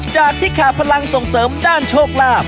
จากที่ขาดพลังส่งเสริมด้านโชคลาภ